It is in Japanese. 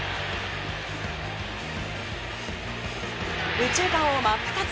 右中間を真っ二つ。